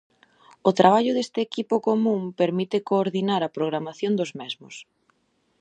O traballo deste equipo común permite coordinar a programación dos mesmos.